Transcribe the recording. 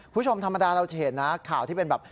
ผู้ชมธรรมดาเราจะเห็นนะข่าวที่เป็นแบบ